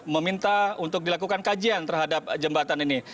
meminta untuk dilakukan kajian terhadap jembatan ini